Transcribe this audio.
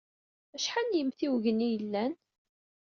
Acḥal n yimtiwgen ay yellan?